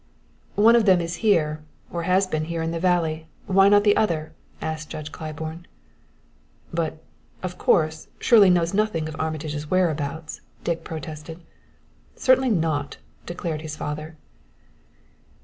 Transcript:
"One of them is here, or has been here in the valley why not the other?" asked Judge Claiborne. "But, of course, Shirley knows nothing of Armitage's whereabouts," Dick protested. "Certainly not," declared his father.